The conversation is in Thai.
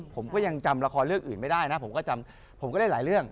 ผมก็ยังจำละครเรื่องอื่นไม่ได้นะผมก็จำผมก็ได้หลายเรื่อง